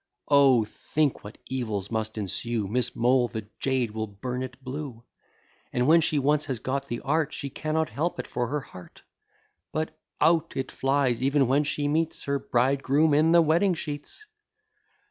O! think what evils must ensue; Miss Moll, the jade, will burn it blue; And, when she once has got the art, She cannot help it for her heart; But out it flies, even when she meets Her bridegroom in the wedding sheets.